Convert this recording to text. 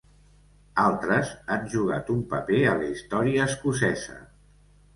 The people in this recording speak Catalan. Altres han jugat un paper a l'història escocesa.